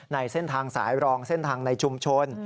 ในเส้นทางสายรองเส้นทางในชุมชน